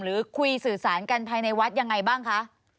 หรือคุยสื่อสารกันภายในวัดยังไงบ้างคะ